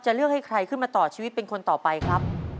เลือกให้ใครขึ้นมาต่อชีวิตเป็นคนต่อไปครับ